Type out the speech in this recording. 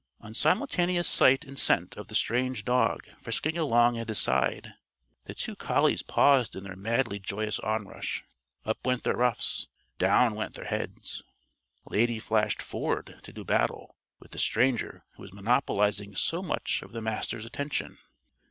On simultaneous sight and scent of the strange dog frisking along at his side, the two collies paused in their madly joyous onrush. Up went their ruffs. Down went their heads. Lady flashed forward to do battle with the stranger who was monopolizing so much of the Master's attention.